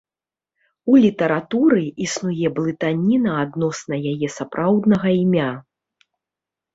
У літаратуры існуе блытаніна адносна яе сапраўднага імя.